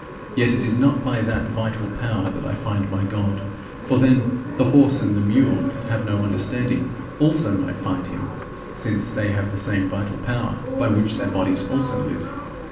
Yet it is not by that vital power that I find my God. For then "the horse and the mule, that have no understanding," also might find him, since they have the same vital power, by which their bodies also live.